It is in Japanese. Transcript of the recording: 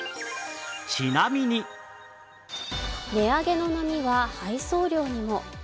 値上げの波は配送料にも。